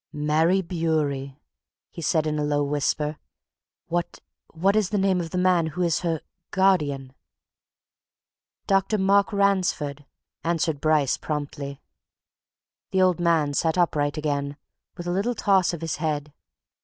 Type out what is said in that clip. "Mary Bewery!" he said in a low whisper. "What what is the name of the man who is her guardian?" "Dr. Mark Ransford," answered Bryce promptly. The old man sat upright again, with a little toss of his head.